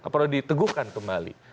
perlu diteguhkan kembali